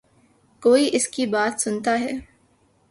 کوئی اس کی بات سنتا ہے۔